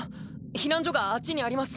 避難所があっちにあります。